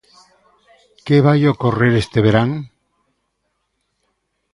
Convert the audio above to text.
¿Que vai ocorrer este verán?